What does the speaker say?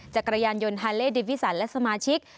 จักรยานยนต์ฮาเล่ดิบิสันและสมาชิก